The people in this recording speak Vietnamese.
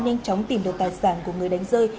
nhanh chóng tìm được tài sản của người đánh rơi